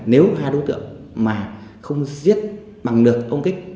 nếu hai đối tượng mà không giết bằng được ông kích